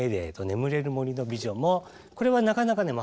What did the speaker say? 「眠れる森の美女」もこれはなかなかね